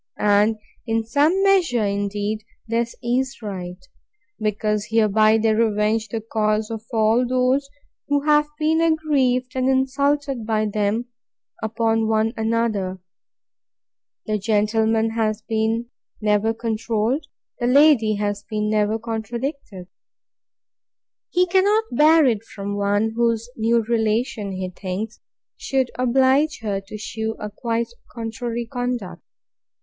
And, in some measure, indeed, this is right; because hereby they revenge the cause of all those who have been aggrieved and insulted by them, upon one another. The gentleman has never been controlled: the lady has never been contradicted. He cannot bear it from one whose new relation, he thinks, should oblige her to shew a quite contrary conduct.